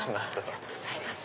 ありがとうございます。